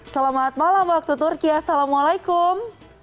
selamat malam waktu turki assalamualaikum